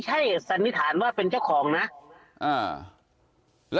ใช่สันนิษฐานว่าเป็นเจ้าของนะ